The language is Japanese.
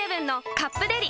「カップデリ」